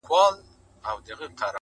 له نیکانو سره ظلم دی جفا ده ,